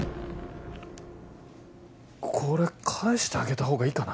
これ返してあげたほうがいいかな？